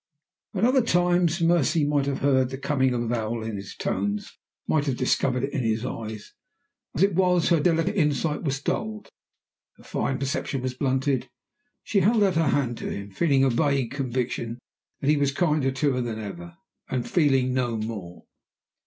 At other times Mercy might have heard the coming avowal in his tones, might have discovered it in his eyes. As it was, her delicate insight was dulled, her fine perception was blunted. She held out her hand to him, feeling a vague conviction that he was kinder to her than ever and feeling no more.